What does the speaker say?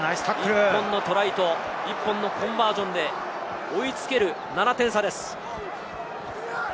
１本のトライと、１本のコンバージョンで追いつける７点差です。